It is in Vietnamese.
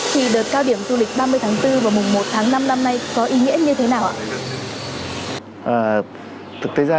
thì đợt cao điểm du lịch ba mươi tháng bốn và mùng một tháng năm năm nay có ý nghĩa như thế nào ạ